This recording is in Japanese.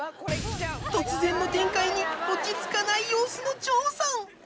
突然の展開に落ち着かない様子の城さん